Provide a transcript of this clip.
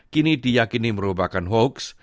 kini diyakini merupakan hoax